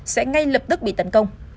sẽ bị lập tức bị tấn công